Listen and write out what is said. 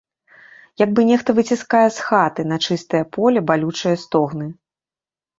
Як бы нехта выціскае з хаты на чыстае поле балючыя стогны.